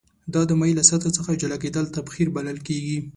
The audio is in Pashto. دا د مایع له سطحې څخه جلا کیدل تبخیر بلل کیږي.